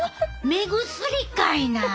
目薬かいな！